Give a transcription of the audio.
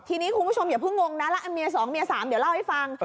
ทีนี้คุณผู้ชมอย่าเพิ่งงงนะแล้วเมีย๒เมีย๓เดี๋ยวเล่าให้ฟัง